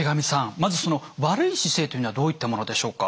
まずその悪い姿勢というのはどういったものでしょうか？